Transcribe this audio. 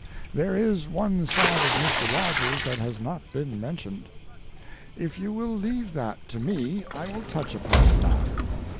There is one side of Mr. Rogers that has not been mentioned. If you will leave that to me I will touch upon that.